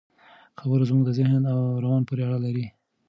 خبره زموږ د ذهن او روان پورې اړه لري.